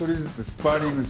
スパーリング！？